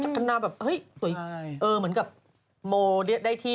จากคำนาแบบเหมือนกลัวโมได้ที